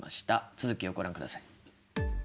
続きをご覧ください。